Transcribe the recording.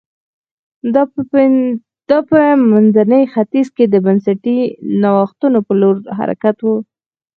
دا په منځني ختیځ کې د بنسټي نوښتونو په لور حرکت و